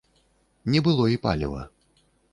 Не было і паліва.